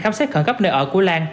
khám xét khẩn cấp nơi ở của lan